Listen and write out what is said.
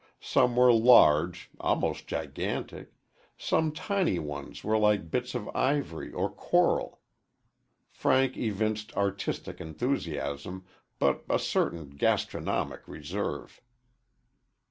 Some were large, almost gigantic; some tiny ones were like bits of ivory or coral. Frank evinced artistic enthusiasm, but a certain gastronomic reserve.